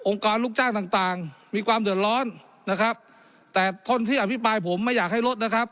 กรลูกจ้างต่างต่างมีความเดือดร้อนนะครับแต่คนที่อภิปรายผมไม่อยากให้ลดนะครับ